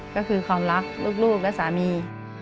ก็คือความรักลูกและสามี